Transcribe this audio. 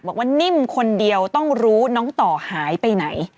นิ่มคนเดียวต้องรู้น้องต่อหายไปไหน